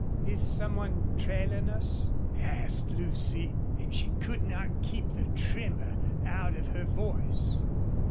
"Is some one trailing us?" asked Lucy, and she could not keep the tremor out of her voice.